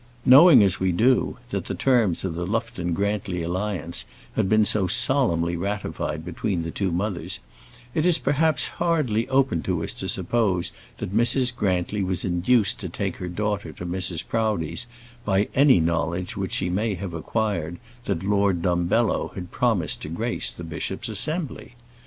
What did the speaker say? Knowing as we do, that the terms of the Lufton Grantly alliance had been so solemnly ratified between the two mothers, it is perhaps hardly open to us to suppose that Mrs. Grantly was induced to take her daughter to Mrs. Proudie's by any knowledge which she may have acquired that Lord Dumbello had promised to grace the bishop's assembly.